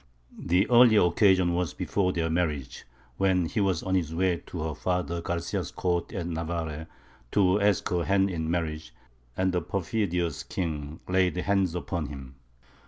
The earlier occasion was before their marriage, when he was on his way to her father Garcia's court at Navarre, to ask her hand in marriage, and the perfidious king laid hands upon him.